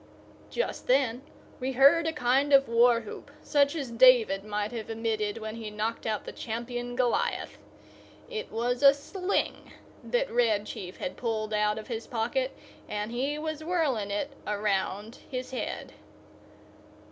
Just then we heard a kind Of war whoop, such as David might have emitted when he knocked out the champion Goliath. It was a sling that Red Chief had pulled out of his pocket, and he was whirling it around his head.